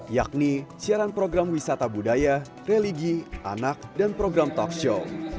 yakni siaran program wisata budaya religi anak dan program talk show